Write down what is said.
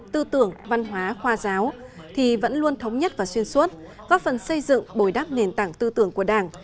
tư tưởng văn hóa khoa giáo thì vẫn luôn thống nhất và xuyên suốt góp phần xây dựng bồi đắp nền tảng tư tưởng của đảng